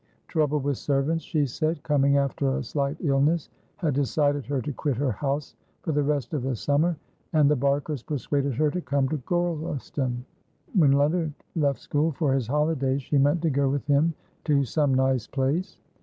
Trouble with servants, she said, coming after a slight illness, had decided her to quit her house for the rest of the summer, and the Barkers persuaded her to come to Gorleston. When Leonard left school for his holidays, she meant to go with him to some nice place.